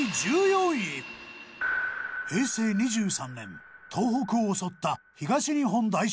平成２３年東北を襲った東日本大震災。